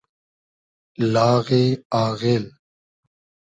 لاغی آغیل